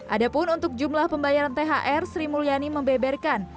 adapun untuk jumlah pembayaran thr sri mulyani membeberkan